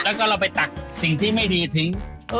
แล้วก็เราไปตักสิ่งที่ไม่ดีทิ้ง